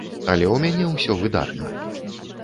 Але ў мяне ўсё выдатна.